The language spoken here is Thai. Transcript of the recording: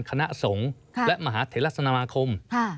คณะสงฆ์และมหาเทลสมาคม